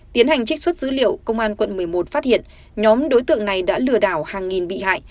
tiến hành trích xuất dữ liệu công an quận một mươi một phát hiện nhóm đối tượng này đã lừa đảo hàng nghìn bị hại